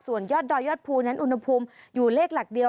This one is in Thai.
ส่วนยอดดอยยอดภูนั้นอุณหภูมิอยู่เลขหลักเดียว